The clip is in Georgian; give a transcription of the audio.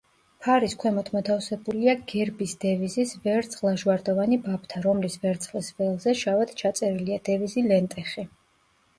ფარს ქვემოთ მოთავსებულია გერბის დევიზის ვერცხლ-ლაჟვარდოვანი ბაფთა, რომლის ვერცხლის ველზე შავად ჩაწერილია დევიზი „ლენტეხი“.